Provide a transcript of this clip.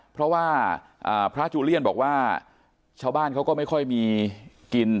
เพราะว่าพระจูเลียนบอกว่าชาวบ้านเขาก็ไม่ค่อยมีกิน